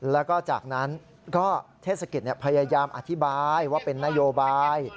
แล้วก็จากนั้นก็เทศกิจพยายามอธิบายว่าเป็นนโยบาย